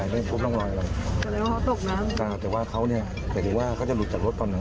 ไม่รู้จักว่าจะลุดจากรถตอนนั้น